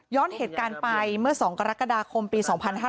เหตุการณ์ไปเมื่อ๒กรกฎาคมปี๒๕๕๙